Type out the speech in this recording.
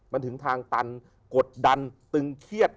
มันถึงทางตันกดดันตึงเครียด